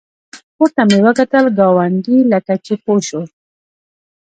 پورته مې وکتل، ګاونډي لکه چې پوه شو.